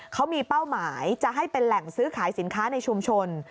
เขามีเป้าหมายจะให้เป็นแหล่งซื้อขายสินค้าในชุมชน